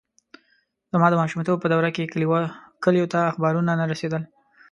زما د ماشومتوب په دوره کې کلیو ته اخبارونه نه رسېدل.